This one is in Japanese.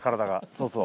そうそう。